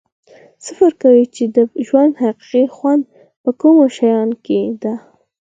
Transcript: څه فکر کوی چې د ژوند حقیقي خوند په کومو شیانو کې ده